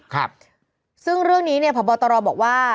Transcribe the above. ครับซึ่งเรื่องนี้เนี่ยพบตรบอกว่า